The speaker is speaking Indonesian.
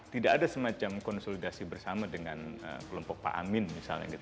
tidak ada semacam konsolidasi bersama dengan kelompok pak amin misalnya gitu